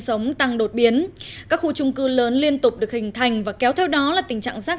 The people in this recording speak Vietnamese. sống tăng đột biến các khu trung cư lớn liên tục được hình thành và kéo theo đó là tình trạng rác